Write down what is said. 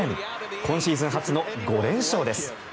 今シーズン初の５連勝です。